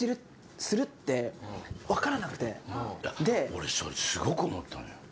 俺それすごく思ったのよ。